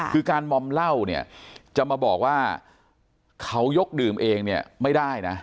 คือการมอมเหล้าเนี่ยจะมาบอกว่าเขายกดื่มเองเนี่ยไม่ได้นะ